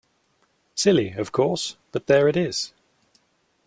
Silly, of course, but there it is.